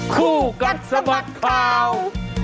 คู่กัดสมัครข่าว